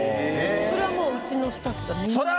それはもううちのスタッフがみんな言ってて。